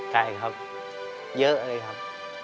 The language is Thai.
ไก่ครับเยอะเลยครับ